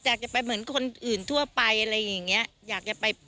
อยากจะไปเหมือนคนอื่นทั่วไปอะไรอย่างเงี้ยอยากจะไป